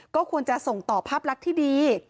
ก็ควรจะส่งต่อภาพลักษณ์ที่ดี